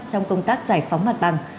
trong công tác giải phóng mặt bằng